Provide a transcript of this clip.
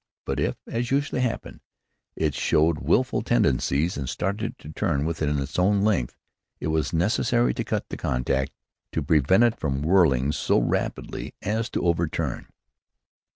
But if, as usually happened, it showed willful tendencies, and started to turn within its own length, it was necessary to cut the contact, to prevent it from whirling so rapidly as to overturn.